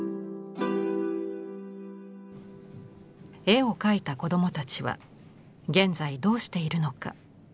絵を描いた子どもたちは現在どうしているのか。